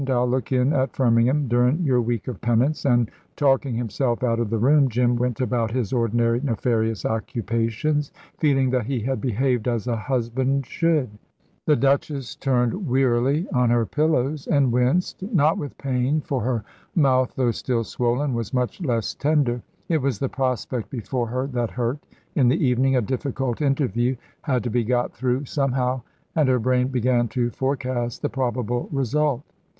I'll look in at Firmingham durin' your week of penance"; and, talking himself out of the room, Jim went about his ordinary nefarious occupations, feeling that he had behaved as a husband should. The Duchess turned wearily on her pillows and winced. Not with pain, for her mouth, though still swollen, was much less tender. It was the prospect before her that hurt. In the evening a difficult interview had to be got through somehow, and her brain began to forecast the probable result.